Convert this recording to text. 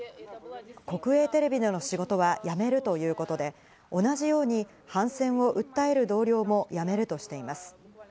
国営テレビでの仕事は辞めるということで同じように反戦を訴える同僚も辞めるとしています。